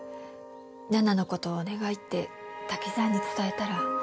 奈々の事をお願いって滝沢に伝えたら。